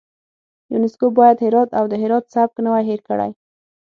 یونسکو باید هرات او د هرات سبک نه وای هیر کړی.